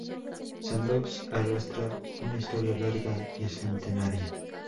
Sandoz arrastra una historia larga y centenaria.